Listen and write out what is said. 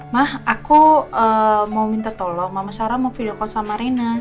ma aku mau minta tolong mama sarah mau video call sama reina